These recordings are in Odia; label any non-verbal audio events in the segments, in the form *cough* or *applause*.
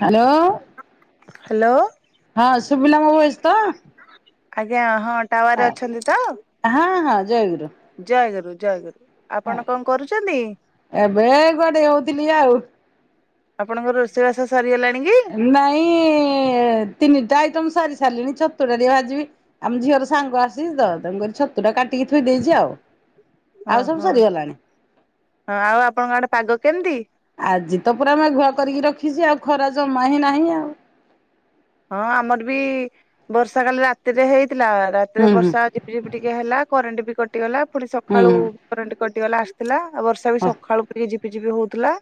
ହ୍ୟାଲୋ ହ୍ୟାଲୋ *inaudible* ହଁ ସୁଭିଲା ମୋ ଭଏସ୍ ତ। ଆଜ୍ଞା ହଁ। ଟାୱାର ଅଛନ୍ତି ତ। ହଁ ହଁ ଜୟଗୁରୁ। ଜୟ ଗୁରୁ ଜୟ ଗୁରୁ। *inaudible* ଏବେ କୁଆଡେ ଇଏ ହଉଥିଲି ଆଉ। ଆପଣଙ୍କର ରୋଷେଇବାସ ସରିଗଲାଣି। କି? ନାଇଁ ଏ ତିନିଟା ଆଇଟମ ସାରିି ସାରିଲିଣି। ଛତୁଟା ଟିକେ ଭାଜିବି। ଆମ ଝିଅର ସାଙ୍ଗ ଆସିଛି ତ। ତେଣୁକରି ଛତୁ ଟା କାଟିକି ଥୋଇ ଦେଇଛି ଆଉ। ଆଉ ସବୁ ଓହୋ ହଁ ସରିଗଲାଣି ଆଉ ଆପଣଙ୍କ ଆଡେ ପାଗ କେମତି? ଆଜି ତ ପୁରା ମେଘୁଆ କରିକି ରଖିଛି ଆଉ ଖରା ଜମା ହିଁ ନାହିଁ ଆଉ। ହଁ ଆମର ବି ବର୍ଷା କାଲି ରାତିରେ ହେଇ ଥିଲା ରାତିରେ ହୁଁ ହୁଁ ବର୍ଷା ଝିପି ଝିପି ଟିକେ ହେଲା। କରେଣ୍ଟ ବି କଟିଗଲା। ପୁଣି ହୁଁ ସକାଳୁ ହୁଁ କରେଣ୍ଟ କଟ୍ କଟିଗଲା ଆସିଥିଲା। ଆଉ ବର୍ଷା ବି ହଁ ସକାଳୁକୁ ଟିକେ ଝିପି ଝିପିଝିପି ହଉଥିଲା।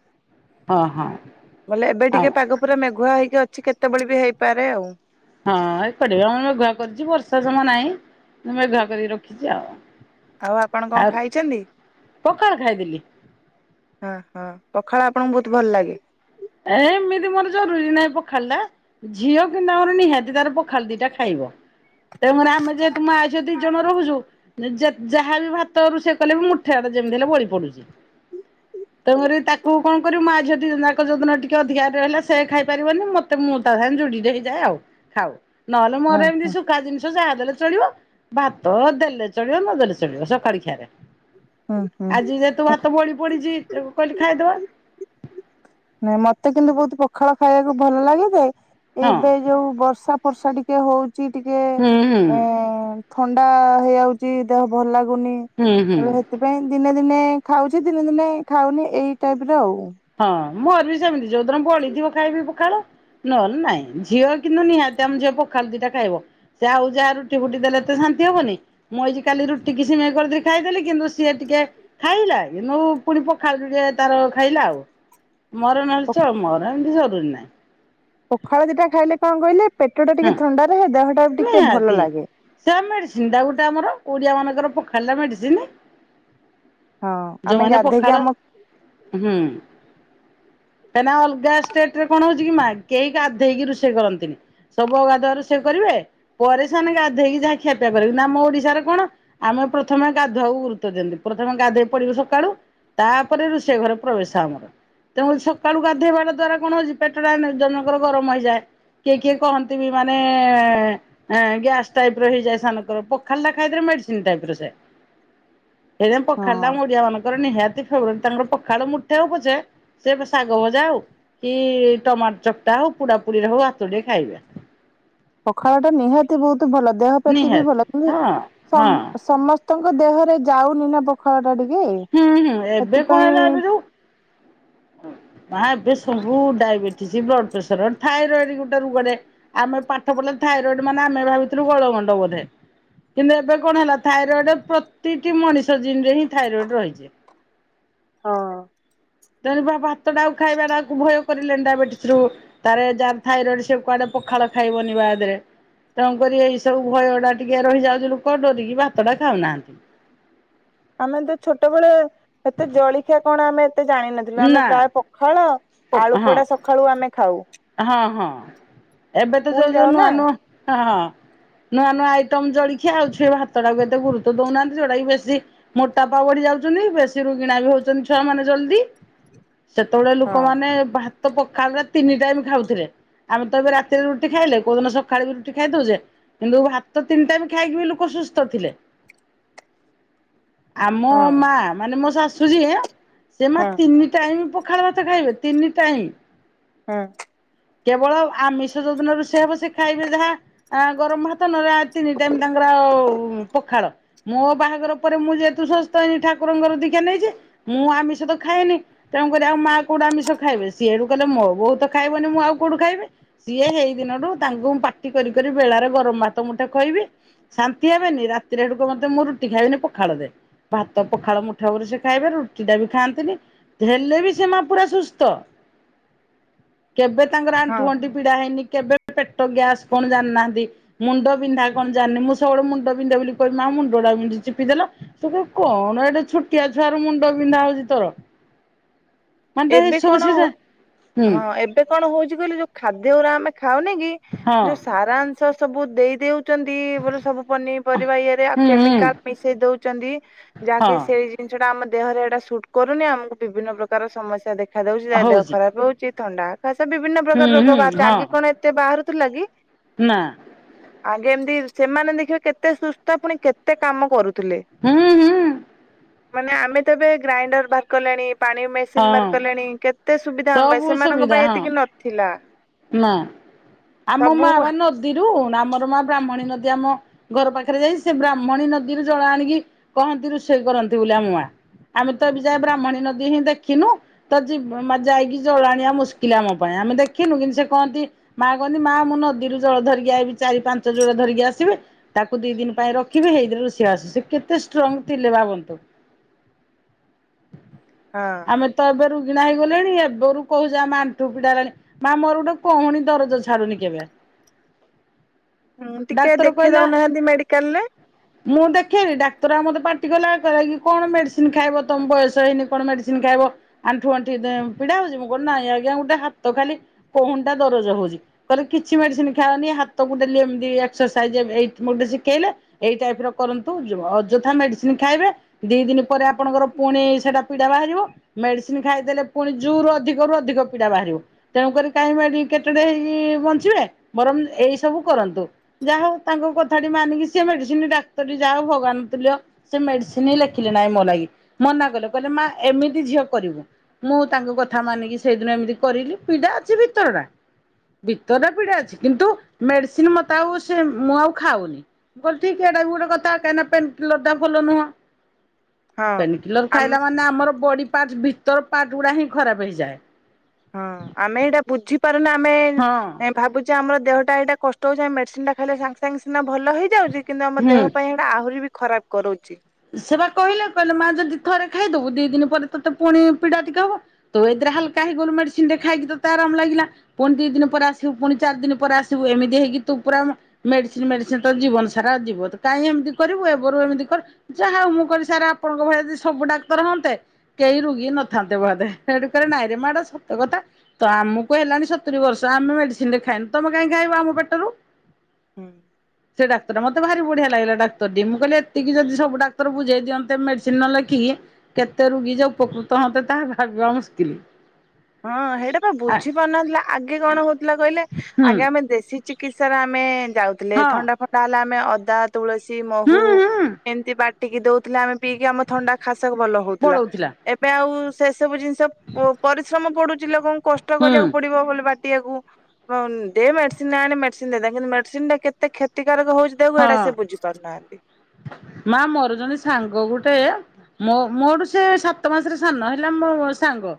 ହଁ ହଁ ବୋଲେ ଏବେ ଆଉ ଟିକେ ପାଗ ପୁରା ମେଘୁଆ ହେଇ ଅଛି କେତେବେଳେ ବି ହେଇ ପାରେ ଆଉ। ହଁ ଏପଟେ ବି ଆମ ମେଘୁଆ କରିଛି ବର୍ଷା ସମୟ ନାହିଁ ମୁଁ ମେଘୁଆ କରିକି ରଖିଛି ଆଉ। ଆଉ ଆପଣ କଣ ଆଉ ଖାଇଛନ୍ତି? ପଖାଳ ଖାଇଥିଲି। ହଁ ହଁ ପଖାଳ ଆପଣଙ୍କୁ ବହୁତ ଭଲ ଲାଗେ? ଏ ଏମିତି ମୋର ଜରୁରୀ ନାହିଁ ପଖାଳ ଟା ଝିଅ କିନ୍ତୁ ଆମର ନିହାତି ତାର ପଖାଳ ଦିଟା ଖାଇବ। ତେଣୁକରି ଆମେ ଯେହେତୁ ମାଆ ଝିଅ ଦି ଜଣ ରହୁଛୁ ଯାହାବି ଭାତ ରୋଷେଇ କଲେ ବି ମୁଠା ଆଡେ ଯେମିତି ହେଲେ ବଳି ପଡୁଛି। ତେଣୁକରି ତାକୁ କଣ କରିବୁ ମାଆ ଝିଅ ଦିଜଣ ଯାକ ଯାକ ଯୋଉଦିନ ଟିକେ ଅଧିକା ହାରି ରହିଲା ସେ ଖାଇପାରିବନି ମତେ ମୁଁ ତା ସାଙ୍ଗେ ଯୋଡିଟେ ହେଇଯାଏ ଆଉ ଖାଉ। ନହେଲେ ଓ ମୋର ହୋ ଏମିତି ଶୁଖା ଜିନିଷ ଯାହା ଦେଲେ ଚଳିବ ଭାତ ଦେଲେ ଚଳିବ ନଦଲେ ଚଳିବ ସକାଳ ଖିଆରେ। ହୁଁ ହୁଁ। ଆଜି ଯେହେତୁ ଭାତ ବଳି ପଡିଛି ତ କହିଲି ଖାଇଦବା। ନାଇଁ ମତେ କିନ୍ତୁ ବହୁତ ପ ଖାଳ ଖାଇବାକୁ ଭଲ ଲାଗେ ଯେ ହଁ ଏବେ ଯୋଉ ବର୍ଷା ବର୍ଷା ଟିକେ ହଉ ଚି ଟିକେ ହୁଁ ହୁଁ ଏଁ ଥଣ୍ଡା ହେଇଯାଉଛି ଦେହ ଭଲ ଲାଗୁ ନି ହୁଁ ହୁଁ। ତ ସେଥିପାଇଁ ଦିନେ ଦିନେ ଖାଉଛି ଦିନେ ଦିନେ ଖାଉନି ଏଇ ଟାଇପ ର ଆଉ। ହଁ। ମୋର ବି ସେମିତି ଯୋଉଦିନ ବଳିଥିବ ଖାଇବି ପଖାଳ ନହଲେ ନାଇଁ। ଝିଅ କିନ୍ତୁ ନିହାତି ଆମ ଝିଅ ପଖାଳ ଦିଟା ଖାଇବ ସେ ଆଉ ଯାହା ରୁଟି ଫୁଟି ଦେଲେ ତେ ଶାନ୍ତି ହବନି ମୁଁ ଏଇ କାଲି ରୁଟି କି ସିମେଇ କରି ଖାଇଦେଲି କିନ୍ତୁ ସିଏ ଟିକେ ଖାଇଲା କିନ୍ତୁ ପୁଣି ପଖାଳ ଯୋଡ଼ିଏ ତାର ଖାଇଲା ଆଉ। ମୋର ନହେଲେ ଚଳିବ। ମୋର ଏମିତି ସ ନା। ପଖାଳ ଦିଟା ଖାଇଲେ କଣ କହିଲେ ପେଟ ଟା ହଁ ଟିକେ ଥଣ୍ଡାରହେ ଦେହ ନିହାତି *unintelligible* ଗୋଟେ ଆମର ଓଡିଆ ମାନଙ୍କର ପଖାଳ ଟା ମେଡିସିନ । ହଁ ଆମେ ଗାଧେଇକି ଆମ କାହିଁକି ନା ଅଲଗା ଷ୍ଟେଟ୍ ରେ କଣ ହଉଛି କି ମା କେହି ଗାଧେଇକି ରୋଷେଇ କରନ୍ତିନି ସବୁ ଅଗାଧୁଆ ରୋଷେଇ କରିବେ । ପରେ ସେମାନେ ଗାଧେଇକି ଯାହା ଖିଆପିଆ କରିବ ନା । ଆମ ଓଡିଶାରେ କଣ ଆମେ ପ୍ରଥମେ ଗାଧୁଆକୁ ଗୁରୁତ୍ବ ଦିଅନ୍ତି ।ପ୍ରଥମେ ଗାଧୋଇ ପଡିବୁ, ସକାଳୁ ତାପରେ ରୋଷେଇ ଘରେ ପ୍ରବେଶ ଆମର ।ତେଣୁ ସକାଳୁ ଗାଧୋଇବାଟା ଦ୍ଵାରା କଣ ହଉଛି ପେଟ ଟା ଜଣଙ୍କର ଗରମ ହେଇଯାଏ। କିଏ କିଏ କହନ୍ତି ବି ମାନେ ଏଁ, ଗ୍ୟାସ ଟାଇପ ର ହେଇଯାଏ, ସାନଙ୍କର ପଖାଳ ଟା ଖାଇଦେଲେ, ମେଡିସିନ ଟାଇପ ର ସେ । ଏଇଥି ପାଇଁ ହଁ। ପଖାଳ ଟା ଓଡିଆ ମାନଙ୍କର ନିହାତି *unintelligible* ତାଙ୍କର ପଖାଳ ମୁଠା ହଉ ପଛେ ସେ ଶାଗ ଭଜା ହଉ, କି ଟମାଟର ଚକଟା ହଉ, ପୁଡ଼ା ପୁଡି ରେ ହଉ, ହାତୁ ଟେ ଖାଇବେ । ପଖାଳ ଟା ନିହାତି ବହୁତ ବହୁତ ଭଲ, ଦେହ ପ୍ରତି ବି ନିହାତି ଭଲ କିନ୍ତୁ ହଁ ସ ହଁ ସମସ୍ତ ତାଙ୍କ ଦେହରେ ଯାଉନି, ନା ପଖାଳ ଟା ଟିକେ ହୁଁ, ହୁଁ ଏବେ କଣ ସେଥିପାଇଁ ହେଲା ଏବେରୁ ନା ଏବେ ସବୁ ଡାଇବେଟିସ, ବ୍ଲଡ ପ୍ରେସର, ଥାଇରଏଡ ଗୋଟେ ରୋଗ ଟେ ଆମେ ପାଠ ପଢିଲା ବେଳେ ଥାଇରଏଡ ମାନେ ଆମେ ଭାବିଥିଲୁ ଗଳଗଣ୍ଡ ବୋଧେ, କିନ୍ତୁ ଏବେ କଣ ହେଲା, ଥାଇରଏଡ ପ୍ରତିଟି ମଣିଷ ଜିନରେ ହିଁ ଥାଇରଏଡ ରହିଛି । ହଁ। ତେଣୁ ବା ଭାତ ଟାକୁ ଖାଇବା ଟାକୁ ଭୟ କରିଲେଣି, ଡାଇବେଟିସ ରୁ ତାର ଯାହାର ଥାଇରଏଡ ସେ କୁଆଡେ ପଖାଳ ଖାଇବନି ବାଦରେ, ତେଣୁକରି ଏଇ ସବୁ ଭୟ ଟା ଟିକେ ରହିଯାଉଛି, ଲୋକ ଡରିକି ଭାତଟା ଖାଉନାହାନ୍ତି । ଆମେ ତ ଛୋଟବେଳେ ଏତେ ଜଳିଖିଆ କଣ ଆମେ ଏତେ ଜାଣିନଥିଲୁ, ଆମେ ନା ପ୍ରାୟ ପଖାଳ ହଁ ଆଳୁ ପୋଡା, ସକାଳୁ ଆମେ ଖାଉ । ହଁ, ହଁ ଏବେ ତ ଯୋଉ, ସ୍କୁଲ ଯୋଉ ଯାଉ ନୂଆ, ନା ନୂଆ ହଁ, ହଁ। ନୂଆ, ନୂଆ ଆଇଟମ ଜଳିଖିଆ ଆଉ ଛୁଏ ଭାତ ଟାକୁ ଏତେ ଗୁରୁତ୍ୱ ଦଉନାହାନ୍ତି, ଯୋଉଟା କି ବେଶୀ ମୋଟାପା ବଢି ଯାଉଛନ୍ତି, ବେଶୀ ରୋଗିଣା ବି ହଉଛନ୍ତି, ଛୁଆ ମାନେ ଜଲଦି । ସେତେବେଳେ ହଁ ଲୋକମାନେ ଭା ତ ପଖାଳ ତିନି ଟାଇମ ଖାଉଥିଲେ, ଆମେ ତ ଏବେ ରାତିରେ ରୁଟି ଖାଇଲେ, କୋଉଦିନ ସକାଳେ ରୁଟି ଖାଇଦଉଛେ, କିନ୍ତୁ ଭାତ ତିନି ଟାଇମ ଖାଇକି ବି ଲୋକ ସୁସ୍ଥ ଥିଲେ । ଆମ ହଁ ମା, ମାନେ ମୋ ଶାଶୁ ସୁଜି ହେ ସେମା ହଁ ତିନି ଟାଇମ ପ ଖାଳ ଭାତ ଖାଇବେ, ତିନି ଟାଇମ୍ ହଁ। କେବଳ ଆମିଷ ଯୋଉ ଦିନ ରୋଷେଇ ହେବ, ସେ ଖାଇବେ ଯାହା ଗରମ ଭାତ, ନ ହେଲେ ତିନି ଟାଇମ ତାଙ୍କର ଓ ପଖାଳ, ମୋ ବାହାଘର ପରେ ମୁଁ ଯେହେତୁ ଶସ୍ତ ହେନି ଠାକୁରଙ୍କର ଦୀକ୍ଷା ନେଇଛି, ମୁଁ ଆମିଷ ତ ଖାଏନି, ତେଣୁକରି ଆଉ ମାଆ କୋଉଠୁ ଆମିଷ ଖାଇବେ, ସିଏ ଏଠୁ କଲେ ମୋ ବୋହୁ ତ ଖାଇବନି, ମୁଁ ଆଉ କୋଉଠୁ ଖାଇବି, ସିଏ ସେଇ ଦିନରୁୁ ତାଙ୍କୁ ପାଟି କରିି କରି ବେଳାରେ ଗରମ ଭାତ ମୁଠେ ଖୋଇବି, ଶାନ୍ତି ହେବେନି, ରାତିରେ ହେଡୁକୁ ମତେ କହିବେ, ମୁଁ ରୁଟି ଖାଇବିନି ପଖାଳ ଦେ, ଭାତ ପଖାଳ ମୁଠା ଉପରେ ସେ ଖାଇବେ, ରୁଟି ଟା ବି ଖାଆନ୍ତିନି, ହେଲେ ବି ସେ ମା ପୁରା ସୁସ୍ଥ । କେବେ ତାଙ୍କର ହଁ ଆଣ୍ଠୁ, ଗଣ୍ଠି ପୀଡା ହେଇନି । କେବେ ପେଟ ଗ୍ୟାସ କଣ ଜାଣିନାହାନ୍ତି, ମୁଣ୍ଡ ବିନ୍ଧା କଣ ଜାଣିନି, ମୁଁ ସବୁବେଳେ ମୁଣ୍ଡ ବିନ୍ଧେ ବୋଲି କହିବି ମା ମୁଣ୍ଡ ଟା ବିନ୍ଧୁଚି ଚିପିଦେଲ, ସେ କହିବେ କଣ ଏଟା ଛୋଟିଆ ଛୁଆର ମୁଣ୍ଡ ବିନ୍ଧା ହଉଛି, ତୋର ମାନେ ଏବେ କଣ *unintelligible* ହୁଁ ହଁ ଏବେ କଣ ହଉଛି, କହିଲ ଯୋଉ ଖାଦ୍ୟ ଉରା ଆମେ ଖାଉନି, କି ହଁ ଯୋଉ ସାରାଂଶ ସବୁ ଦେଇ ଦେଉ ଛନ୍ତି, ବୋଲେ ସବୁ ପନିପରିବା ଇଏରେ, ହୁଁ ହୁଁ କେମିକାଲ ମିଶେଇ ଦଉଛନ୍ତି, ଯାହାକି ହଁ ସେଇ ଜିନିଷଟା ଆମ ଦେହରେ ଏଇଟା ସୁଟ କରୁନି, ଆମକୁ ବିଭିନ୍ନ ପ୍ରକାର ସମସ୍ୟା ଦେଖ ଦେଖା ଦଉଛି, ତା ଦେହ ହଉଚି। ଖରାପ ହଉଛି । ଥଣ୍ଡା ଖସ ବିଭିନ୍ନ ହୁଁ ପ୍ରକାର ରୋଗ ହୁଁ ବାହାରୁଛି ଆଗି କଣ ହଁ ଏତେ ବାହାରୁ ଲାଗି ନା ଆଗେ ଏମିତି ସେମାନେ ଦେଖିବେ କେତେ ସୁସ୍ଥ ପୁଣି କେତେ କାମ କରୁ। ଥିଲେ। ହୁଁ ହୁଁ ମାନେ ଆମେ ତ ଏବେ ଗ୍ରାଇଣ୍ଡର ବାହାର କଲେଣି ପାଣି ହଁ। କଲେଣି କେତେ ସୁବିଧା ହ ପାଇଁ ସବୁ ସେମାନଙ୍କ ସୁବିଧା ପାଇଁ ହଁ ଏତିକି ନଥିଲା ନା। ଆମ ମା ସବୁ ବା ନଦୀରୁ ଆମର ମା ବ୍ରାହ୍ମଣୀ ନଦୀ ଆମ ଘର ପାଖରେ ଯାଇ ସେ ବ୍ରାହ୍ମଣୀ ନଦୀରୁ ଜଳ ଆଣିକି କହନ୍ତି ରୋଷେଇ କରନ୍ତି ବୋଲି ଆମ ମା ଆମେ ତ ଏବେ ଯା ବ୍ରାହ୍ମଣୀ ନଦୀ ହିଁ ଦେଖ ଦେଖିନୁ ତ ଯାଇକି ଜଳ ଆଣିବା ମୁସ୍କିଲ ଆମ ପାଇଁ ଆମେ ଦେଖିନୁ କିନ୍ତୁ ସେ କହନ୍ତି ମା କହନ୍ତି ମା ମୁଁ ନଦୀରୁ ଜଳ ଧରିକି ଆଇିବି ଚାରି ପାଞ୍ଚ ଜୋଳ ଧରିକି ଆସିବେ ତାକୁ ଦି ଦିନ ପାଇଁ ରଖିବି ଏଇଥିରେରୁ ସିଏ ଆସୁ ସେ କେତେ ଷ୍ଟ୍ରଙ୍ଗ ଥିଲେ ଭାବନ୍ତୁ। ହଁ ଆମେ ତ ଏବୋରୁ କିଣା ହେଇଗଲେଣି ଏବେରୁ କହୁଛ ଆ ଆଣ୍ଠୁ ପିଡା ହେଲାଣି ମା ମୋର ଗୋଟେ କହୁଣୀ ଦରଜ ଛାଡୁନି କେବେ। ହୁଁ ଟିକେ ଡାକ୍ତର ଦେଖେଇ କହିଲା ଦଉନାହାନ୍ତି ମେଡିକାଲରେ ମୁଁ ଦେଖେନି ଡାକ୍ତର ଆଉ ମତେ ପା ଗଲା କି କଣ ମେଡିସିନ ଖାଇବ ତମ ବୟସ ହେଇନି କଣ ମେଡିସିନ ଖାଇବ ଆଣ୍ଠୁ ଆଣ୍ଠି ପିଡା ହଉଛି ମୁଁ କଣ ଆଜଞା ଗୋଟେ ହାତ ଖାଲି କହୁଣ୍ଟା ଦରଜ ହଉଛି କହିଲେ କିଛି ମେଡିସିନ ଖାଇଅନି ହାତକୁମକ୍ସରସାଇଜ ଗୋଟେ ଶିଖେଇଲେ ଏଇ ଟାଇପ ର କରନ୍ତୁ ଅଯଥା ମେଡିସିନ ଖାଇବେ ଦି ଦିନ ପରେ ଆପଣଙ୍କର ପୁଣି ସେଟା ପିଡା ବା ମେସିନ ଖାଇଦଲେ ପୁଣି ଜୋରୁ ଅଧିକରୁୁ ଅଧିକ ପୀଡା ବାହାରିବ ତେଣୁକ କାହିଁ କେତେ ହେଇକି ବଞ୍ଚିବେ ବରଂ ଏଇ ସବୁ କରନ୍ତୁ ଯାହା ହଉ ତାଙ୍କ କଥାଟି ମାନିକି ସେ ମେଡିସିନ ଡାକ୍ତର ଯାହଉ ଭଗାନୁଲ ସେ ମେଡିସିନ ହଁ ଲେଖିଲେ ନାହିଁ ମୋ ଲାଗି ମନା କଲେ କହିଲେ ମା ଏମିତି ଝିଅ କରିବୁ। ମୁଁ ତାଙ୍କ କଥା ମାନିକି ସେଇଦିନ ଏମିତି କରିଲି ପୀଡ଼ା ଅଛି ଭିତରଟା ଭିତରଟା ପୀଡ଼ା ଅଛି କିନ୍ତୁ ମେଡ଼ିସିନ ମୋତେ ଆଉ ସେ ମୁଁ ଆଉ ଖାଉନି ମୁଁ କହିଲି ଠିକ ଏଟା ବି ଗୋଟେ କଥା କାହିଁକିନା ପେନ୍ କିଲରଟା ଭଲ ନୁହଁ। ହଁ ପେନିକିଲର ଆମ ଖାଇଲା ମାନେ ଆମର ବଡି ପାର୍ଟ ଭିତର ପାର୍ଟ ଗୁଡା ହିଁ ଖରାପ ହେଇଯାଏ। ହଁ ଆମେ ଏଇଟା ବୁଝିପାରୁନା ଆମେ ହଁ ଏ ଭାବୁଛ। ଆମର ଦେହଟା ଏଇଟା କଷ୍ଟ ହଉଛି ଆେସିନ ଟା ଖାଇଲେ ସାଙ୍ଗେ ସାଙ୍ଗେ ସିନା ଭଲ ହେଇଯାଉଛି। କିନ୍ତୁ ଆମ ହୁଁ ଦେହ ପାଇଁ ଏଇଟା ଆହୁରି ବି ଖରାପ କରୁଛି। ସେ ବା କହିଲେ କହିଲେ ମା ଯଦି ଥରେ ଖାଇଦବୁ ଦି ଦିନ ପରେ ତୋତେ ପୁଣି ପିଡା ଟିକେ ହବ ତୁ ଏ ଦରେ ହାକାା ହେଗଲୁ ମେଡିସିନ ରେ ଖାଇକି ତୋତେ ଆରାମ ଲାଗିଲାୁଣି ଦି ଦିନ ପରେ ଆସିବୁ ପୁଣି ଚାରି ଦିନ ପରେ ଆସିବୁ ଏମିତି ହେଇକି ତୁ ପୁରା ମେଡିସିନ ମେଡିସିନ ତ ଜୀବନ ସାରା ଯିବ ତ କାହିଁ ଏମିତି କରିବୁ ଏ ଏମିତି କର ଯାହା ହଉ ମୁଁ କରି ସାର ଆପଣଙ୍କ ଭୟଦି ସବୁ ଡାକ୍ତର ହୁଅନ୍ତେ କେହି ରୋଗୀ ନଥାନ୍ତେ ବଧେ ସେଠୁ କରେ ନାଇଁ ରେ ମାଡ ସତ କଥା ତ ଆମକୁ ହେଲାଣି ସତୁରିୀ ବର୍ଷ ଆମେ ମେଡିସିନ ରେ ଖାଇନୁ ତମେ କାହିଁକ ଖାଇବ ଆମ ପେଟରୁ ହୁଁ। ସେ ଡକ୍ତରା ମତେ ଭାରି ବଢି ଲାଗା ଡକ୍ତରଟି ମୁଁ କିଲେ ଏତିକ ଯଦିବୁ ଡାକ୍ତର ବୁଝେଇ ଦିଅନ୍ତେ ମେଡିସିନ ନଲେଖିକି କେତେ ରୋଗୀ ଯେ ଉପକୃତ ହୁଅନ୍ତେ ତାହା ଭାବିବା ମୁସ୍କିଲ । ହଁ ସେଇଟା ବା ବୁଝି ପାରୁ ନଥିଲା ଆଗେ କଣ ହଉଥିଲା କହିଲେ ହୁଁ ଆଗେ ଆମେ ଦେଶୀ ଚି କିତ୍ସା ରେ ଆମେ । ଯାଉଥିଲେ ଥଣ୍ଡା ହଁ ଫଥଣ୍ଡା ହେଲେ ଆମେ ଅ ତ । ତୁଳସୀ ମହୁ ହୁଁ ହୁଁ ଏମିତି ବାଟ ଟିକି ଦଉଥିଲେ ଆମେ । ପିଇକି ଆମ ଥଣ୍ଡା ଖାସ ଭଲ ହଉଥିଲା ପଳଉଥିଲା ଏବେ ଆଉ । ସେ ସବୁ ଜିନିଷ ପୋ ପରୀ ଶ୍ରମ ପଡୁଛି ଲୋକଙ୍କୁ । କଷ୍ଟ ହୁଁ କରିବାକୁ ପଡିବ ବୋଲି ବା ଆକୁ ଦେ ମେଡିସିନ ଆଣେ ମେଡ଼ିସିନ ଦେଇଦବା କିନ୍ତୁ ମେଡିସିନ ଟା କେତେ କ୍ଷତି । ହଁ ମା ମୋର ଜଣେ ସାଙ୍ଗ ଗୁଟେ । ମୋ ମୋଠୁ ସେ ସାତ ମାସରେ ସାନ ହେଲା ମୋ ସାଙ୍ଗ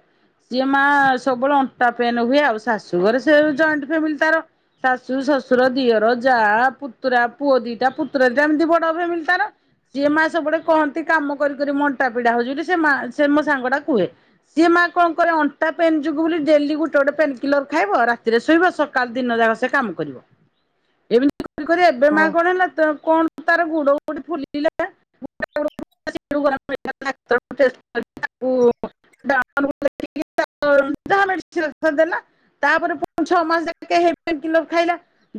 ସିଏ ମା ସବୁବେଳେ ଅଣ୍ଟା ପେନ୍ ହୁଏ ଆଉ ଶାଶୁ ଘରେ ସେ ଜଏଣ୍ଟ ଫ୍ୟାମିଲି ତାର ଶାଶୁ ଶ୍ୱଶୁର ଦିଅର ଯା ପୁତୁରା । ପୁଅ ଦିଟା ପୁତୁରା ଦିଟା ଏମିତି ବଡ ଫାମିଲି ତାର ସିଏ ମା ସବୁବେଳେ କହନ୍ତି କାମ କରି କରି ମୋ ଅଣ୍ଟା ପିଡା ହଉଛି ବୋଲି ସେ ସେ ମୋ ସାଙ୍ଗ ଟା କୁହେ ସିଏ ମା କଣ କରେ ଅଣ୍ଟା ପେନ୍ ଯୋଗୁ ବୋଲି ଡେଲି ଗୋଟେ ଗୋଟେ ପେନ୍ କିଲର ଖାଇବ ରାତିରେ ଶୋଇବ ସକାଳ ଦିନ ଯାକ ସେ କାମ କରିବ ଏମତି । ଏବେ ହଁ। ମା । କଣ ତାର ଗୋ ଗୋଟେ ଫୁିଲିଲା *unintelligible* ତାପରେ ଛଅ ମାସ ଖାଇଲା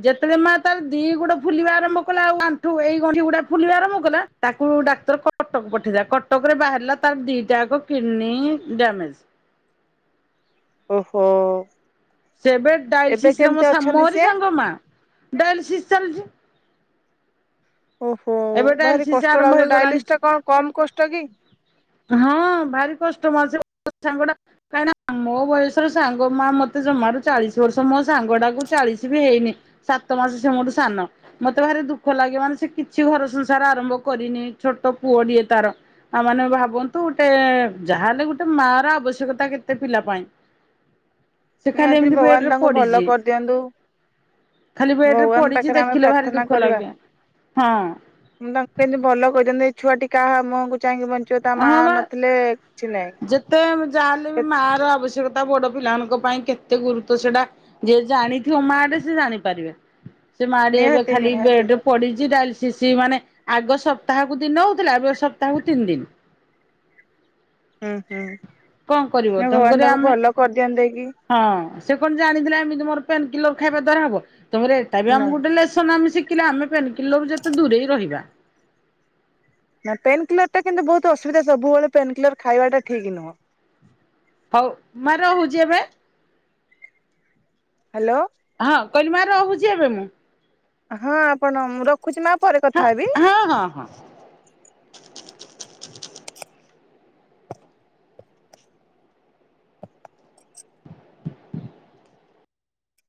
ଯେତେବେଳେ ମା ତର ଦି ଗୋଡ ଫୁଲିବା ଆରମ୍ଭ କଲା। ଆଉ ଆଣ୍ଠୁ ଏଇ ଗଣ୍ଠି ଗୁଡା ଫୁଲିବା ଆରମ୍ଭ କଲା ତାକୁ ଡାକ୍ତର କଟକ ପଠେଇଦଲା କଟକ ରେ ବାହାରିଲା ତାର ଦିଟାଯାକ । Kidney damage. ଓହୋ । ସେବେ ଏବେ ଡଇଲିସିସ ମୋ ମୋରି ସିଏ ସାଙ୍ଗ ମା ଡଏଲିସିସ ଚାଲିଛି । ଓହୋ ଏବେ ଭାରି ଡ଼ାଏଲିସିସ କଷ୍ଟ ଆରମ୍ଭ ଲାଗୁଛି ହେଇଗଲାଣି ଡାଇଲିସ୍ ଟା କଣ କମ କଷ୍ଟ କି? ହଁ ଭାରି କଷ୍ଟ ମା ସେ । ମୋ ସାଙ୍ଗଟା କାହିଁକ ନା ମୋ ବୟସର ସାଙ୍ଗ ମା ମତେ ଜମାରୁ ଚାଳିଶ ବର୍ଷ ମୋ ସାଙ୍ଗ ଟାକୁ ଚାଳିଶ ବି ହେଇନି ସାତ ମାସ ସେ ମୋ ଠୁ ସାନ ମତେ ଭାରିୁ ଦୁଃଖ ଲାଗେ ମାନେ ସେ କିଛି ଛି ସେ ଘର ସଂସାର ଆରମ୍ଭ କରିନି ଛୋଟ ପୁଅଟିଏ ତାର ତା ମାନେ ଭାବନ୍ତୁ ଗୋଟେ ଯାହା ହେଲେ ଗୋଟେ ମା ର ଆବଶ୍ୟକତା କେତେ ପିଲା ପାଇଁ। ସେ ଖାଲି ନିହାତି ଏମିତି ଭଗବାନ ବେଡରେ ତାଙ୍କୁ ଭଲ ପଡିଛି କରିଦିଅନ୍ତୁ ଖାଲି ବେଡ ରେ ଭଗବାନ ପଡିଛି ପାଖରେ ଆମେ ଦେଖିଲେ ଭାରି ପ୍ରାର୍ଥନା ଦୁଃଖ କରିବା। ଲାଗେ। ହଁ ମୁଁ ତାଙ୍କୁ କେମତି ଭଲ କରିଦିଅନ୍ତେ । ଛୁଆଟି କାହା ମୁଁହକୁ ହଁ ବା ଯେତେ ନାହିଁ। ଯା ହେଲେ ବି ମା ର ଆବଶ୍ୟକତା ବଡ ପିଲାମାନଙ୍କ । ପାଇଁ କେତେ ଗୁରୁତର ସେଟା ଜିଏ ଜାଣିଥିବ ମା ଟେ ସେ ଜାଣିପାରିବେ। ସେ ମା ଟୀ ଏବେ ନିହାତି ଖାଲି ନିହାତି ବେଡ ରେ ପଡିଛି ଡାଏଲି ସିସି ମାନେ ଆଗ ସପ୍ତାହକୁ ଦିନେ ହଉଥିଲା ଏବେ ସପ୍ତାହକୁ ତିନି ଦିନ । ହୁଁ ହୁଁ । ନାଇ କଣ କରିବ ଭଗବାନ ତେଣୁକରି ତାକୁ ଆମେ ଭଲ କରିଦିଅନ୍ତ କି । ହଁ ସେ କଣ ଜାଣିଥିଲା ଏମିତି ମୋର ପେନ୍ କିଲର ଖାଇବା ଦ୍ଵାରା ହବ। ତମ ଏଟା ବି ଆମ ନାଇଁ। ଗୋଟେସନ ଆମ ଶି ିଲେ ଆମେ ପେନ କିଲର ଯେତେ ଦୂରେଇ ରହିବା ନା ପେନ କିଲର ଟା କିନ୍ତୁ ବହୁତ ଅସୁବିଧା ସବୁବେଳେ ପେନ୍ କିଲର ଖାଇବାଟା ଠିକ ନୁହଁ ହଉ ମା ରହୁଛି ଏବେ ହ୍ୟାଲୋ। ହଁ କଲମାାର ରହୁଛି ଏବେ ମୁଁ। ହଁ ଆପଣ ର ରକଛି ମା ପରେ ହଁ କଥା ହେବି *inaudible* ହଁ ହଁ ହଁ।